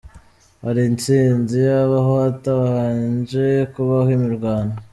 Hari intsinzi yabaho hatabanje kubaho imirwano ?